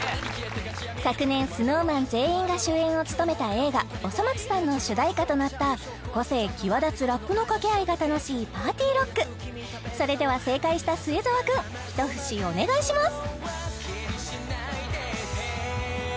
昨年ＳｎｏｗＭａｎ全員が主演を務めた映画「おそ松さん」の主題歌となった個性際立つラップの掛け合いが楽しいパーティーロックそれでは正解した末澤くんひと節お願いします！